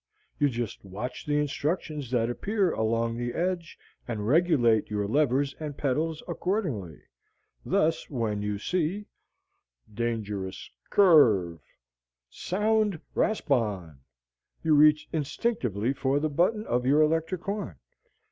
You just watch the instructions that appear along the edge, and regulate your levers and pedals accordingly. Thus, when you see: DANGEROUS CURVE SOUND RASPON you reach instinctively for the button of your electric horn.